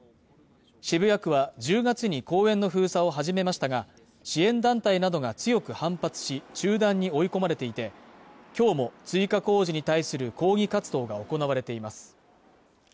渋谷区は１０月に公園の封鎖を始めましたが支援団体などが強く反発し中断に追い込まれていて今日も追加工事に対する抗議活動が行われています